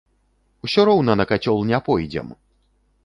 Усё роўна на кацёл не пойдзем!